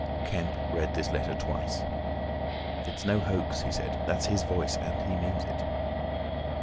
Kemp read this letter twice, "It's no hoax," he said. "That's his voice! And he means it."